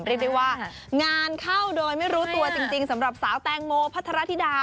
เรียกได้ว่างานเข้าโดยไม่รู้ตัวจริงสำหรับสาวแตงโมพัทรธิดา